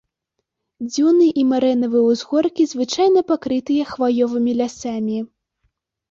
Дзюны і марэнавыя ўзгоркі звычайна пакрытыя хваёвымі лясамі.